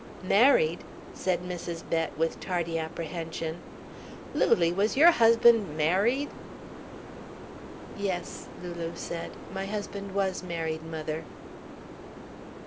"Married?" said Mrs. Bett with tardy apprehension. "Lulie, was your husband married?" "Yes," Lulu said, "my husband was married, mother."